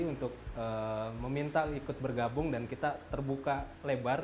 untuk meminta ikut bergabung dan kita terbuka lebar